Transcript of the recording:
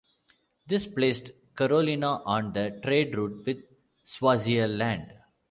This placed Carolina on the trade route with Swaziland.